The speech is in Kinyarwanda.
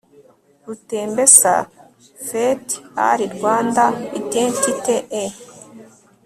rutembesa f et al rwanda identite et